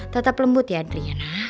tetap lembut ya adriana